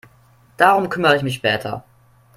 Darum kümmere ich mich später.